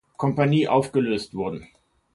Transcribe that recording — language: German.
Kompanie aufgelöst wurden.